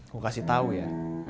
gue kasih tau ya